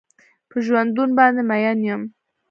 په ژوندون باندې مين يم.